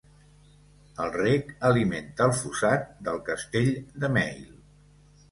El rec alimenta el fossat del castell de Male.